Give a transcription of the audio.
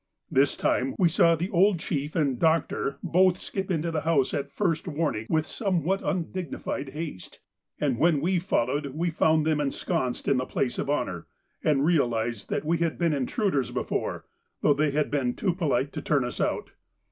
This time we saw the old chief and doctor both skip into the house at the first warning with somewhat undignified haste, and when we followed, we found them ensconced in the place of honour, and realised that we had been intruders before, though they had been too polite to turn us out.